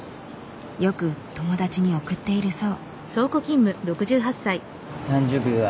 よく友達に送っているそう。